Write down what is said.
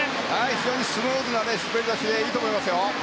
非常にスムーズな滑り出しでいいと思いますよ。